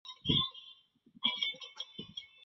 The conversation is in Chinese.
穆罕默德的文盲被认为可以认证他的先知身份。